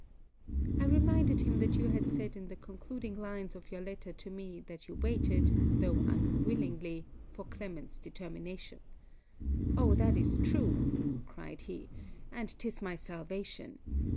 I reminded him that you had said in the concluding lines of your letter to me that you waited, though unwillingly, for Clement's determination. 'O that is true!' cried he 'and 'tis my salvation!